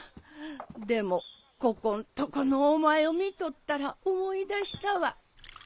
でもここんとこのお前を見とったら思い出したわ。